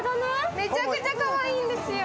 めちゃくちゃかわいいんですよ。